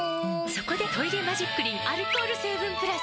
そこで「トイレマジックリン」アルコール成分プラス！